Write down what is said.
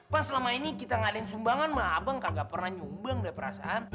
pak selama ini kita ngadain sumbangan mah abang gak pernah nyumbang deh perasaan